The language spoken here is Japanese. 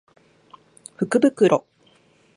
福袋